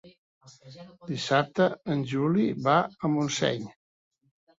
Dissabte en Juli va a Montseny.